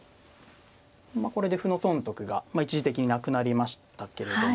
これで歩の損得が一時的になくなりましたけれども。